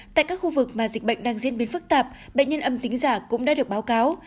tại các khu vực mà dịch bệnh đang diễn biến phức tạp bệnh nhân âm tính giả cũng đã được báo cáo